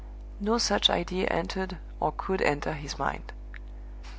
No such idea entered or could enter his mind.